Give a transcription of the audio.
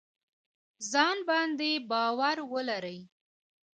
ځان باندې باور ولرئ